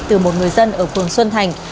từ một người dân ở phường xuân thành